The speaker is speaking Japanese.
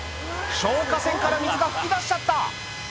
消火栓から水が噴き出しちゃった！